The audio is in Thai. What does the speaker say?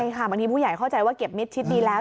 ใช่ค่ะบางทีผู้ใหญ่เข้าใจว่าเก็บมิดชิดดีแล้ว